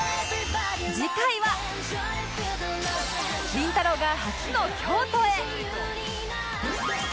りんたろー。が初の京都へ